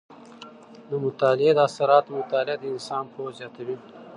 د مطالعې د اثراتو مطالعه د انسان پوهه زیاته وي.